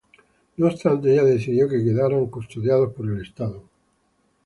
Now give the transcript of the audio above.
No obstante ella decidió que quedaran custodiados por el estado.